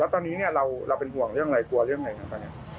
แล้วตอนนี้แบบนี้เราห่วงเรื่องอะไรกลัวเรื่องอะไรนะ